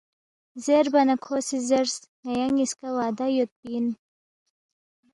زیربا نہ کھو سی زیرس، ”ن٘یا نِ٘یسکا وعدہ یودپی اِن